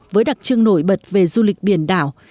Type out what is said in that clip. với đặc trưng nổi bật về du lịch biển đảo